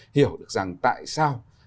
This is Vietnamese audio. hiểu được rằng tại sao